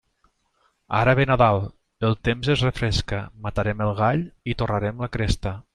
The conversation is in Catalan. Ara ve Nadal, el temps es refresca, matarem el gall i torrarem la cresta.